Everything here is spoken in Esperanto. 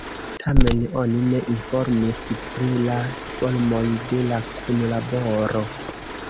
Tamen oni ne informis pri la formoj de la kunlaboro.